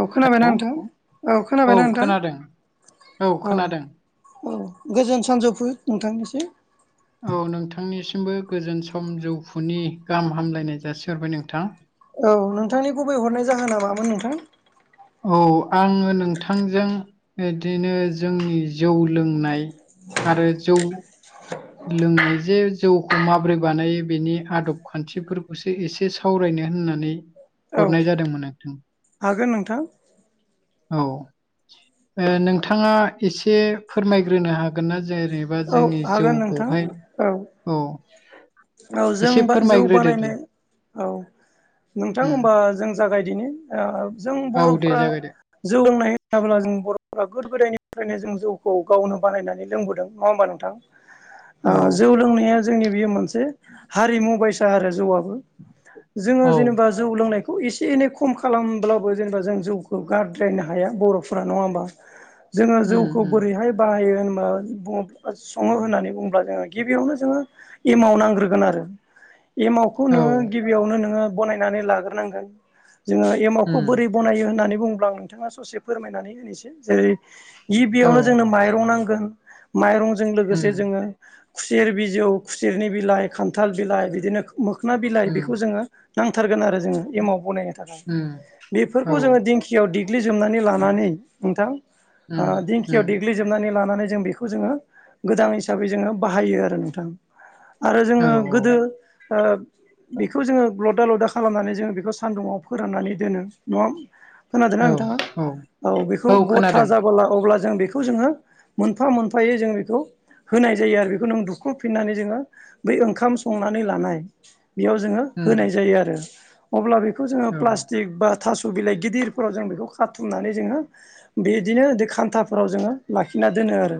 औ खोनाबायना नोंथां औ खोनाबायना नोंथां औ औ गोजोन सानजौफु नोंथांनिसि औ नोंथांनिसिमबो गोजोन सानजौफुनि गाहाम हामलायनाय जासिहरबाय नोंथां औ नोंथांनि गुबै हरनाय जाहोना मामोन नोंथां औ आङो नोंथांजों इदिनो जोंनि जौ लोंनाय आरो जौ लोंनाय जे जौखौ माब्रै बानायो बिनि आदब खान्थिफोरखौसो एसे एसे सावरायनो होननानै औ हरनाय जादोंमोन नोंथां हागोन नोंथां औ ओ नोंथाङा एसे फोरमायग्रोनो हागोन ना जेनेबा औ जोंनि जौ हागोन नोंथां खौहाय औ औ औ जों एसे बा जौ फोरमायग्रोदो दे बानायनो औ नोंथां उम ओमबा जों जागायदिनो जों औ दे बर'फ्रा जागायदो जौ लोंनाय होनोब्ला जों बर'फोरा गोदो गोदायनिफ्रायनो जों जौखौ गावनो बानायनानै लोंबोदों नङा ओमबा नोंथां औ जौ लोंनाया जोंनि बेयो मोनसे हारिमु बायसा आरो जौआबो जोङो औ जेनेबा जौ लोंनायखौ एसे एनै खम खालामब्लाबो जेनेबा जों जौखौ गारद्रायनो हाया बर'फोरा नङा ओमबा [inaudible] जोङो जौखौ उम बोरैहाय बाहायो होनबा बुं सङो होननानै बुङोब्ला जोङो गिबियावनो जोङो एमाव नांग्रोगोन आरो एमावखौ औ नोङो गिबियावनो नोङो बनायनानै लाग्रोनांगोन जोङो एमावखौ उम बोरै बनायो होननानै बुङोब्ला नोंथाङा ससे फोरमायनानै होनोसै जेरै औ गिबियावनो जोंनो माइरं नांगोन माइरंजों उम लोगोसे जोङो खुसेर बिजौ खुसेरनि बिलाइ खान्थाल बिलाइ बिदिनो मोखना बिलाइ उम बेखौ जोङो नांथारगोन आरो जोङो एमाव बनायनो थाखाय उम औ बेफोरखौ जोङो दिंखि दिंखियाव देग्लिजोबनानै लानानै नोंथां उम दिंखियाव उम देग्लिजोबनानै लानानै जों बेखौ खौ जोङो गोदान हिसाबै जोङो बाहायो आरो नोंथां आरो औ जोङो गोदो बेखौ जोङो लदा लदा खालामनानै जोङो बेखौ सान्दुुङाव फोराननानै दोनो नङा खोनादोंना नोंथाङा औ बेखौ गथा जाबोला अब्ला जों बेखौ जोङो मोनफा मोनफायो जों बेखौ होनाय जायो आरो बेखौ नों दुख्रुबफिननानै जोङो बै ओंखाम संनानै लानाय बेयाव जोङो उम होनाय जायो आरो अब्ला बेखौ जोङो औ प्लास्टिक बा थास' बिलाइ गिदिरफोराव जों बेखौ खाथुमनानै जोङो बिदिनो दो खान्थाफोराव जोङो लाखिना दोनो आरो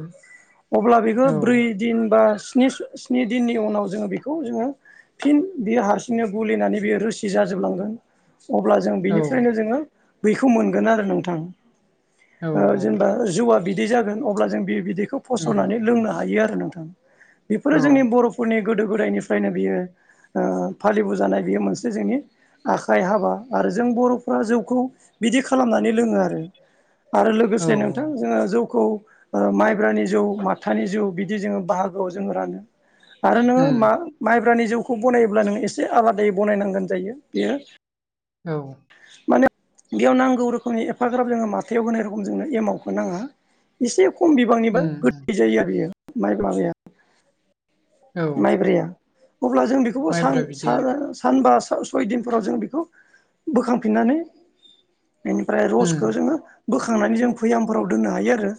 अब्ला बेखौ औ ब्रै दिन बा स्नि दिननि उनाव जोङो बेखौ जोङो फिन बेयो हारसिंनो गुलिनानै बियो रोसि जाजोबलांगोन अब्ला जों औ बिनिफ्रायनो जोङो बेखौ मोनगोन आरो नोंथां औ जेनेबा जौवा बिदै जागोन अब्ला जों बि बिदैखौ उम फसरनानै लोंनो हायो आरो नोंथां औ बेफोरो जोंनि बर'फोरनि गोदो गोदायनिफ्रायनो बियो फालिबोजानाय बेयो मोनसे जोंनि आखाइ हाबा आरो जों बर'फ्रा जौखौ बिदि खालामनानै लोङो आरो आरो लोगोसे औ नोंथां जोङो जौखौ माइ ब्रानि जौ माथानि जौ बिदि जोङो बाहागोआव जोङो रानो आरो नोङो मा उम माइब्रानि जौखौ बनायोब्ला ननो एसे आलादायै बनायनांगोन जायो बेयो औ माने बेयाव नांगौ रोखोमनि एफाग्राब जोङो माथायाव होनै रोखोम जों एमावखौ नाङा एसे खम बिबांनिबा उम गोदै जायो आरो बियो माइब्राया औ माइब्राया अब्ला जों बेखौबो सा माइब्रा बिदैया सानबा सयदिनफोराव जों बेखौ बोखांफिननानै बेनिफ्राय उम रसखौ जोङो बोखांनानै जों भैयामफोराव दोननो हायो आरो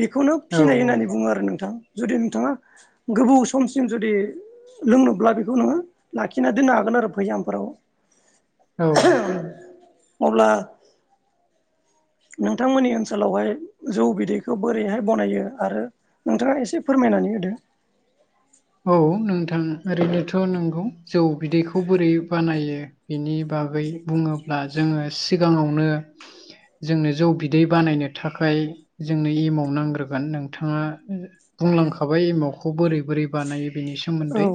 बेखौनो औ फिनाय होननानै बुङो आरो नोंथां जुदि नोंथाङा गोबौ समसिम जुदि लोंनोब्ला बेखौ नोङो लाखिना दोननो हागोन आरो भैयामफोराव औ [inaudible] अब्ला नोंथांमोननि ओनसोलावहाय जौ बिदैखौ बोरैहाय बनायो आरो नोंथाङा एसे फोरमायनानै होदो [inaudible] औ नोंथां ओरैनोथ' नोंगौ जौ बिदैखौ बोरै बानायो बिनि बागै बुङोब्ला जोङो सिगाङावनो जोंनो जौ बिदै बानायनो थाखाय जोंनो एमाव नांग्रोगोन नोंथाङा बुंलांखाबाय एमावखौ बोरै बोरै बानायो बेनि औ सोमोन्दै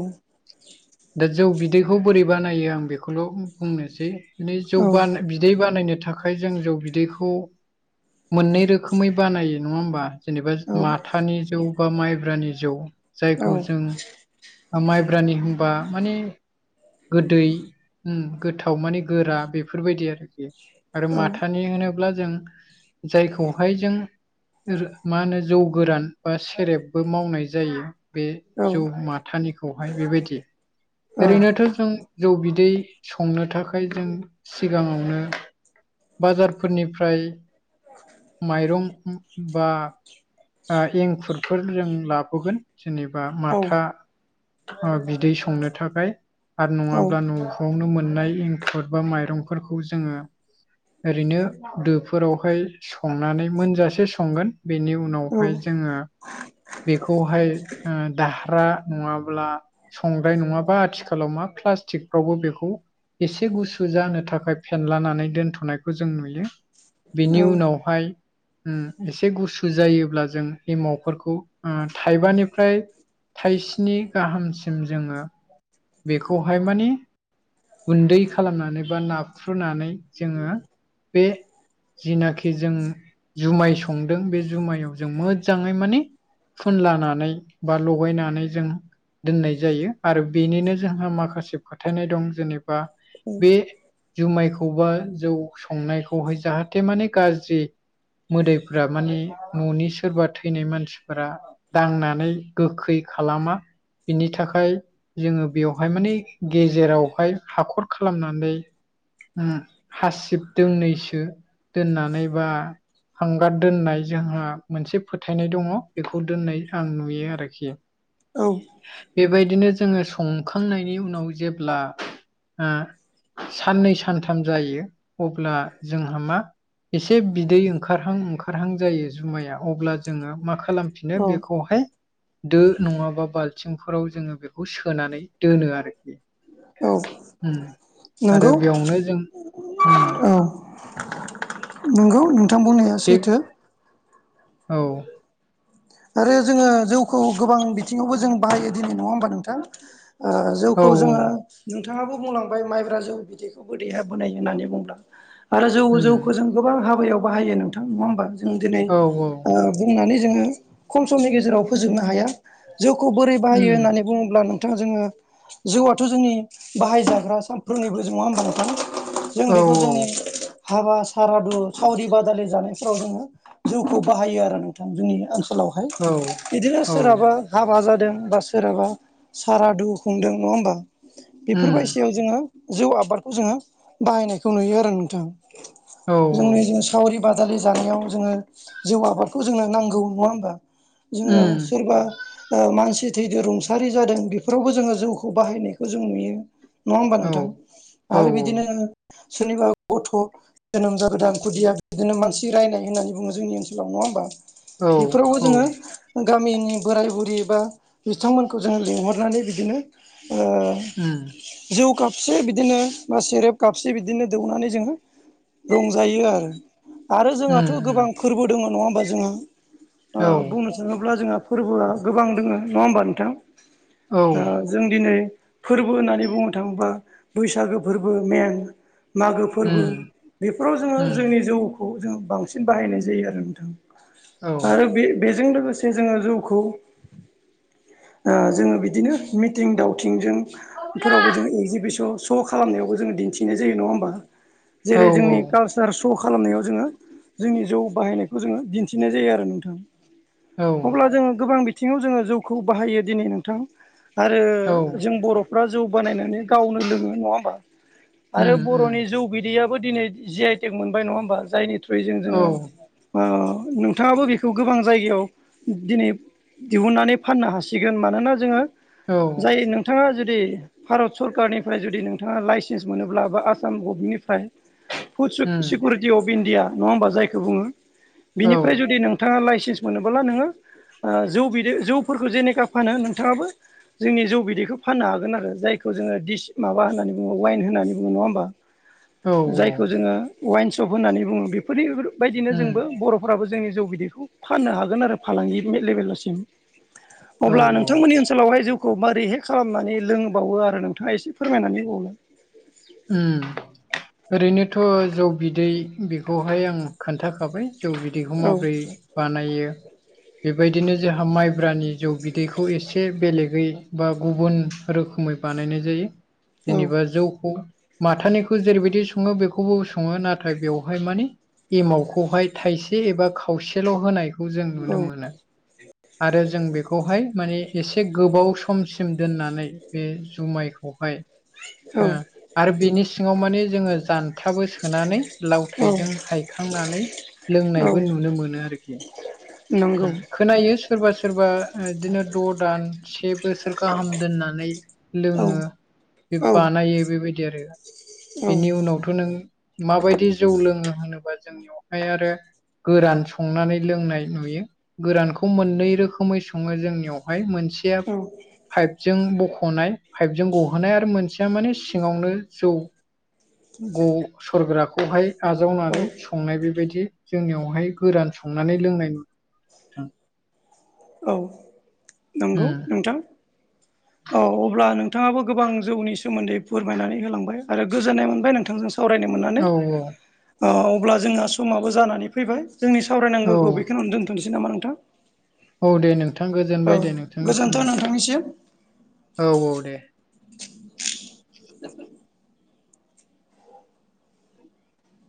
दा जौ बिदैखौ बोरै बानायो आं बेखौल' बुंनोसै बि जौ औ बानाय बिदै बानायनो थाखाय जों जौ बिदैखौ मोननै रोखोमै बानायो नङा होमबा? जेनेबा औ माथानि जौ बा माइब्रानि जौ औ जायखौ माइब्रानि होनबा माने गोदै ओम गोथाव माने गोरा बेफोरबायदि आरोखि आरो औ माथानि होनोब्ला जों जायखौहाय जों मा होनो जौ गोरान बा सेरेबबो मावनाय जायो बे औ जौ माथानिखौहाय बेबायदि ओरैनोथ' जों जौ बिदै संनो थाखाय जों सिगाङावनो बाजारफोरनिफ्राय माइरं बा ओ एंखुर फोर जों लाबोगोन जेनेबा औ माथा ओ बिदै संनो थाखाय आरो नङाब्ला न'आवनो मोननाय एंखुर बा माइरंफोरखौ जोङो ओरैनो दोफोरावहाय संनानै मोनजासे संगोन बेनि उनावहाय जोङो बेखौहाय ओ दाहरा नङाब्ला संग्राय नङाबा आथिखाल थिखालाव मा प्लास्टिकफ्रावबो बेखौ एसे गुसु जानो थाखाय फेनलानानै दोनथ'नायखौ जों नुयो बेनि उनावहाय ओम एसे गुसु जायोब्ला जों एमावफोरखौ ओम थाइबानिफ्राय थाइस्नि गाहामसिम जोङो बेखौहाय मानि गुन्दै खालामनानै बा नाफ्र्रुनानै जोङो बे जिनाखि जों जुमाय संदों बे जुमायाव जों मोजाङै माने फुनलानानै बा लगायनानै जों दोननाय जायो आरो बेनिनो जोंहा माखासे फोथायनाय दं जेनेबा बे जुमायखौ बा जौ संनायखौहाय जाहाथे माने गाज्रि मोदायफोरा माने न'नि सोरबा थैनाय मानसिफोरा दांनानै गोखै खालामा बिनि थाखाय जोङो बेवहाय माने गेजेरावहाय हाख'र खालामनानै ओम हासिब दोंनैसो दोननानै बा हांगार दोननाय जोंहा मोनसे फोथायनाय दङ' बेखौ दोननाय आं नुयो आरोखि [inaudible] औ बेबायदिनो जोङो संखांनायनि उनाव जेब्ला ओ साननै, सानथाम जायो अब्ला जोंहा मा एसे बिदै ओंखारहां ओंखारहां जायो जुमाया अब्ला जोङो मा खालामफि नो औ बेखौहाय दो नङाबा बालथिं फोराव जोङो बेखौ सो सोनानै दोनो आरोखि औ उम आरो नोंगौ बेयावनो जों उम ओ नोंगौ नोंथां बुंनाया बे सैथो औ आरो जोङो जौखौ गोबां बिथिङावबो जों बाहायो दिनै नङा होमबा नोंथां ओ औ जौखौ जोङो नोंथाङाबो बुंलांबाय माइब्रा जौ बिदैखौबो दैहाब बोनाय होननानै बुंब्ला आरो जौ उम जौखौ जों गोबां हाबायाव बाहायो नोंथां नङा होमबा जों दिनै औ बुंनानै जोङो खम समनि गेजेराव फोजोबनो हाया जौखौ बोरै बाहायो उम होननानै बुङोब्ला नोंथां जोङो जौआथ' जोंनि बाहायजाग्रा सानफ्रोमनिबो जोङो नङा होमबा नोंथां जों औ बेखौ जोंनि हाबा सारादु सावरि बादालि जानायफ्राव जोङो जौखौ बाहायो आरो नोंथां जोंनि ओनसोलावहाय औ बिदिनो औ सोरहाबा हाबा जादों बा सोरहाबा सारादु खुंदों नङा होमबा उम बेफोरबायदियाव जोङो जौ आबादखौ जोङो बाहायनायखौ नुयो आरो नोंथां औ जोंनि जों सावरि बादालि जानायाव जोङो जौ आबादखौ जोंनो नांगौ नङा होमबा जोङो उम सोरबा मानसि थैदों रुंसारि जादों बेफोरावबो जोङो जौखौ बाहायनायखौ जों नुयो नङा होमबा औ नोंथां औ आरो बिदिनो सोरनिबा गथ' जोनोम जागोदान खुदिया बिदिनो मानसि रायनाय होननानै बुङो जोंनि ओनसोलाव नङा होमबा औ बेफोरावबो औ जोङो गामिनि बोराय बुरै बा बिथांमोनखौ जोङो लिंहरनानै बिदिनो ओ उम जौ कापसे बिदिनो बा सेरेब कापसे बिदिनो दौनानै जोङो रंजायो आरो आरो उम जोंहाथ' उम गोबां फोरबो दङ नङा होमबा जोंहा औ बुंनो थाङोब्ला जोंहा फोरबोआ गोबां दङ नङा होमबा नोंथां औ जों दिनै फोरबो होननानै बुंनो थाङोबा बैसागो फोरबो मेन मागो फोरबो उम बेफोराव जोङो उम जोंनि जौखौ जों बांसिन बाहायनाय जायो आरो नोंथां औ आरो बे बेजों लोगोसे जोङो जौखौ जोङो बिदिनो मिथिं दावथिंजों फोरावबो जों एगजिबिसन श' खालामनायावबो जोङो दिन्थिनाय जायो नङा होमबा औ जेरै जोंनि कालसार श' खालामनायाव जोङो जोंनि जौ बाहायनायखौ जोङो दिन्थिनाय जायो आरो औ अब्ला जोङो गोबां बिथिङाव जोङो जौखौ बाहायो दिनै नोंथां आरो जों बर'फ्रा जौ बानायनानै गावनो लोङो नङा होमबा आरो उम उम बर'नि जौ बिदैयाबो दिनै जि आइ टेक मोनबाय नङा होमबा जायनि औ जोङो नोंथाङाबो खौ गोबां जायगायाव दिनै दिहुननानै फाननो हासिगोन मानोना जोङो जायो नों नोंथाङा जुदि भारत सरकारनिफ्राय जुदि नोंथाङा लाइसेन्स मोनोब्ला बा आसाम गभमेन्टनिफ्राय food um security of India नङा होमबा जायखौ बुङो औ औ औ बिनिफ्राय जुदि नों नोंथाङा लाइसेन्स मोनोबोला नोङो जौ बिदै जौफोरखौ जेनेखा फानो नोंथाङाबो जोंनि जौ बिदैखौ फाननो हागोन आरो जायखौ जोङो डिसि माबा होननानै बुङो वाइन होननानै बुङो नङा होमबा [inaudible] जायखौ उम जोङो वाइन सप होननानै बुङो बेफोरनिबायदिनो जोंबो बर'फोराबो जोंनि जौ बिदिखौ बे फाननो हागोन आरो फालांगि मेट लेभेलसिम औ अब्ला नोंथांमोननि ओनसोलावहाय जौ खौ मोरैहाय खालामनानै लोंबावो आरो नोंथाङा एसे फोरमायनानै होबाव ओरैनोथ' जौ बिदै बेखौहाय आं खोन्थाखाबाय जौ बिदैखौ औ माबोरै बानायो बेबायदिनो जोंहा माइब्रानि जौ बिदैखौ एसे बेलेगै बा गुबुन रोखोमै बानायनाय जायो औ जेनेबा जौखौ माथानिखौ जेरैबायदि सङो बेखौबो सङो नाथाय बेवहाय माने एमावखौहाय थाइसे एबा खावसेल' होनायखौ जों नुनो मोनो आरो जों बेखौहाय माने एसे गोबाव समसिम दोननानै बे जुमायखौहाय औ आरो बेनि सिङाव माने जोङो जानथाबो सोनानै औ लावथायजों हायखांनानै लोंनायबो औ नुनो मोनो आरोखि नंगौ उम खोनायो सोरबा सोरबा बिदिनो द' दान से बोसोर गाहाम दोननानै औ लोङो बे औ बानायो बेबाय दि आरो औ बिनि उनावथ' नों माबायदि जौ लोङो होनोबा जों बेयावहाय आरो गोरान संनानै लोंनाय नुयो गोरानखौ मोननै रोखोमै सङो जोंनियावहाय मोनसेया औ पाइपजों बख'नाय पाइपजों गहोनाय आरो मोनसेया माने सिङावनो जौ ग सरग्राखौहाय आजावनानै औ संनाय बेबायदि जोंनियावहाय गोरान संनानै लोंनाय नु थां [unintelligible] औ नंगौ नोंथां [inaudible] औ अब्ला नोंथाङाबो गोबां जौनि सोमोन्दै फोरमायनानै होलांबाय आरो गोजोननाय मोनबाय नोंथांजों सावरायनो मोननानै औ ओ अब्ला जोंहा समाबो जानानै फैबाय जोंनि औ औ सावरायनांगौखौ बे खिनियावनो दोनथ'सै नामा नोंथां औ दे नोंथां औ गोजोनबाय दे गोजोन्थों नोंथांनिसिमबो नोंथांनिसिम औ औ दे [inaudible]